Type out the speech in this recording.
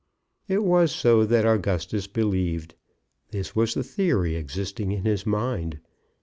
It was so that Augustus believed; this was the theory existing in his mind.